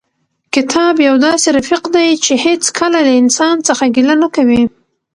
کتاب یو داسې رفیق دی چې هېڅکله له انسان څخه ګیله نه کوي.